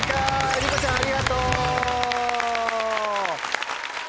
りこちゃんありがとう！